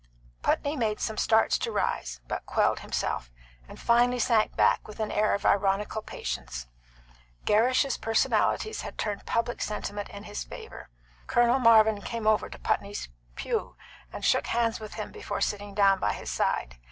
Putney made some starts to rise, but quelled himself, and finally sank back with an air of ironical patience. Gerrish's personalities had turned public sentiment in his favour. Colonel Marvin came over to Putney's pew and shook hands with him before sitting down by his side.